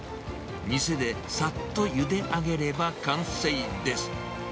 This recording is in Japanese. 店でさっとゆで上げれば完成です。